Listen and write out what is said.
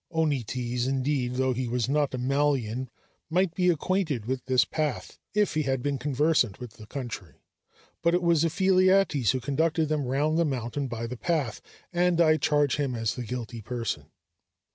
Onetes, indeed, though he was not a Malian, might be acquainted with this path if he had been conversant with the country; but it was Ephialtes who conducted them round the mountain by the path, and I charge him as the guilty person.